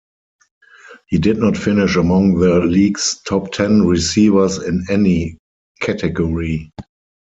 He did not finish among the league's top ten receivers in any category.